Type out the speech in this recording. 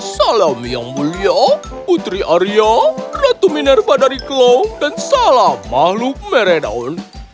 salam yang mulia putri arya ratu minerva dari klau dan salam mahluk meredon